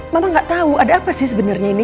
mama gak tahu ada apa sih sebenarnya ini